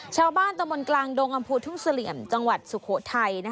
ชาวบ้านตำบนกลางลงอมภูเทุงเสลียมจังหวัดสุโขธัย